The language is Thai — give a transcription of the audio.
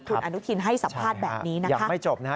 คุณอนุทินให้สัมภาษณ์แบบนี้นะคะค่ะใช่อยากไม่จบนะ